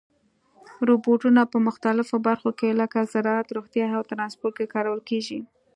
روبوټونه په مختلفو برخو کې لکه زراعت، روغتیا او ترانسپورت کې کارول کېږي.